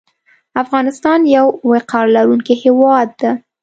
افغانستان یو وقار لرونکی هیواد ده